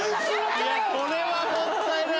いやこれはもったいない！